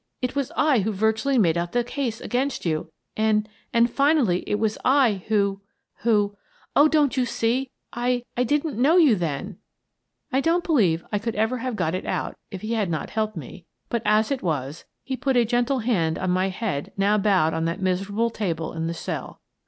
It was I who virtually made out the case against you! And — and finally, it was I who — who — Oh, you see, I — I didn't know you then !" I don't believe I could ever have got it out if he had not helped me, but as it was he put a gentle hand on my head now bowed on that miserable table in the cell.